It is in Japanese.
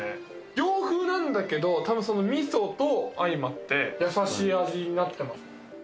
洋風なんだけどたぶんそのみそと相まってやさしい味になってます。